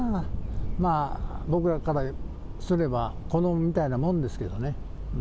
まあ、僕からすれば、子どもみたいなもんですけどね。